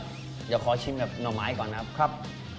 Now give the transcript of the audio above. เดี๋ยวขอชิมแบบหน่อไม้ก่อนนะครับ